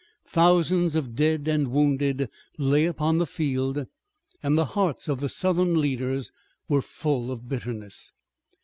Thousands of dead and wounded lay upon the field and the hearts of the Southern leaders were full of bitterness.